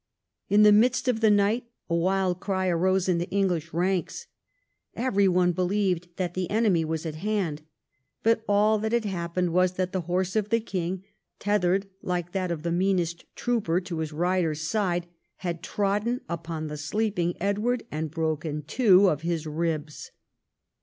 In the midst of the night a wild cry arose in the English ranks. Every one believed that the enemy was at hand. But all that had happened was that the horse of the king, tethered like that of the meanest trooper to his rider's side, had trodden upon the sleeping Edward and broken two of his ribs.